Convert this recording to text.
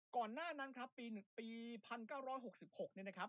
ก่อนหน้านั้นครับปี๑๙๖๖เนี่ยนะครับ